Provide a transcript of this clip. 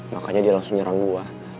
makanya dia langsung nyerang gue